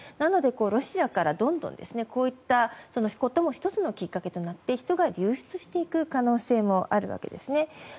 ロシアからどんどんこういったことが１つのきっかけとなって人が流出していく可能性もあるわけですね。